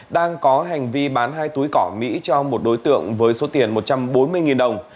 đang có hành vi bán hai túi cỏ mỹ cho một đối tượng với số tiền một trăm bốn mươi đồng